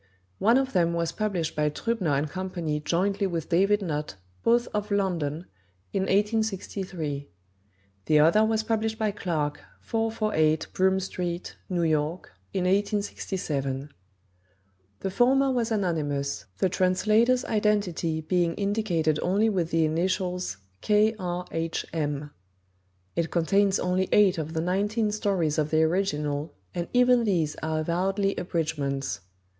One of them was published by Trübner & Co. jointly with David Nutt, both of London, in 1863; the other was published by Clark, 448 Broome street, New York, in 1867. The former was anonymous, the translator's identity being indicated only with the initials "K. R. H. M." It contains only eight of the nineteen stories of the original, and even these are avowedly abridgments.